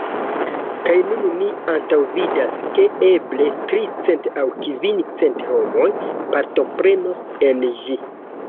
Kaj nun ni antaŭvidas, ke eble tricent aŭ kvincent homoj partoprenos en ĝi.